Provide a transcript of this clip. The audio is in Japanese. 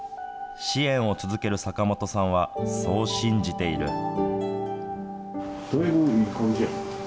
支援を続ける坂本さんは、そう信じている。